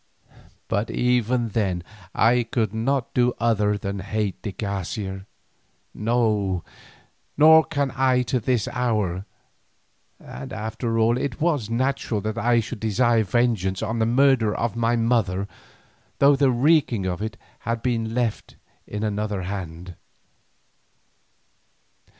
But even then I could not do other than hate de Garcia, no, nor can I to this hour, and after all it was natural that I should desire vengeance on the murderer of my mother though the wreaking of it had best been left in another Hand.